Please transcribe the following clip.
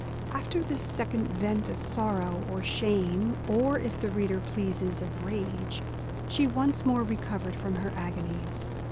After this second vent of sorrow or shame, or, if the reader pleases, of rage, she once more recovered from her agonies.